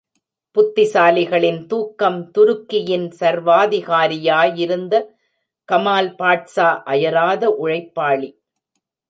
புத்திசாலிகளின் தூக்கம் துருக்கியின் சர்வாதிகாரியாயிருந்த கமால் பாட்சா அயராத உழைப்பாளி.